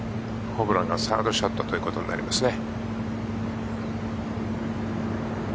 ホブランがサードショットということになりますね。